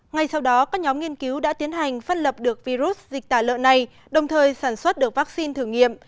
ngay sau đó các nhóm nghiên cứu đã tiến hành phát lập được virus dịch tả lợn này đồng thời sản xuất được vaccine thử nghiệm